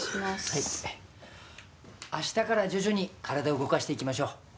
明日から徐々に体を動かしていきましょう。